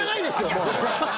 もう！